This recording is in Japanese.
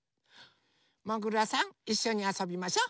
もぐらさんいっしょにあそびましょ。